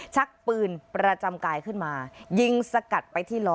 ชักปืนประจำกายขึ้นมายิงสกัดไปที่ล้อ